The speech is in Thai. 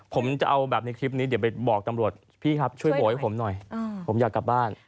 ผมจะเอาแบบในคลิปนี้เดี๋ยวไปบอกตำรวจพี่ครับช่วยโบกให้ผมหน่อยผมอยากกลับบ้าน